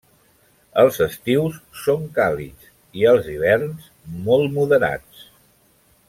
Els estius són càlids i els hiverns molt moderats.